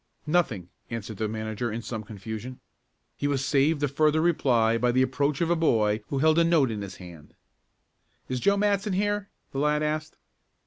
"Nothing," answered the manager in some confusion. He was saved a further reply by the approach of a boy who held a note in his hand. "Is Joe Matson here?" the lad asked.